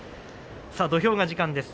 土俵が時間です。